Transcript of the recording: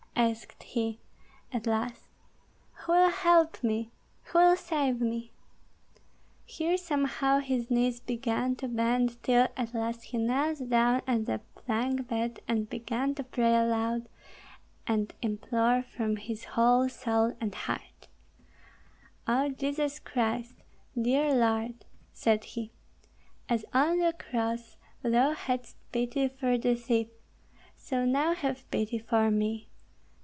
asked he, at last; "who will help me, who will save me?" Here somehow his knees began to bend till at last he knelt down at the plank bed and began to pray aloud, and implore from his whole soul and heart, "O Jesus Christ, dear Lord," said he, "as on the cross thou hadst pity for the thief, so now have pity for me.